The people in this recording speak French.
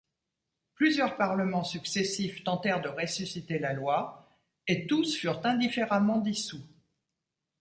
Plusieurs parlements successifs tentèrent de ressusciter la loi, et tous furent indifféremment dissous.